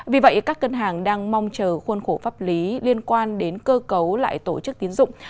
vì vậy các ngân hàng đang mong chờ khuôn khổ pháp lý liên quan đến cơ cấu lại tổ chức tiến dụng